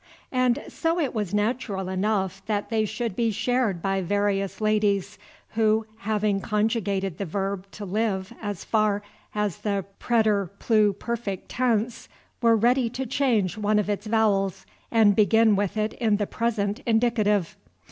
And so it was natural enough that they should be shared by various ladies, who, having conjugated the verb to live as far as the preterpluperfect tense, were ready to change one of its vowels and begin with it in the present indicative.